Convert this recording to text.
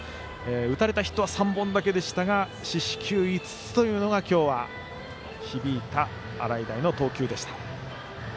打たれたヒットは３本だけでしたが四死球５つというのが今日は響いた洗平の投球でした。